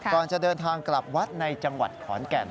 ก่อนจะเดินทางกลับวัดในจังหวัดขอนแก่น